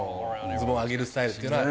ズボンを上げるスタイルっていうのは。